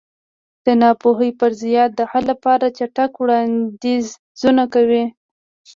د ناپوهۍ فرضیه د حل لپاره چټک وړاندیزونه کوي.